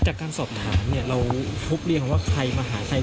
จากการสอบถามเราพบเรียนว่าใครมาหาใคร